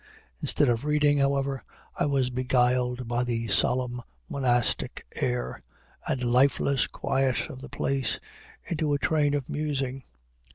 Instead of reading, however, I was beguiled by the solemn monastic air, and lifeless quiet of the place, into a train of musing.